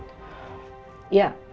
ya sebagai papa kamu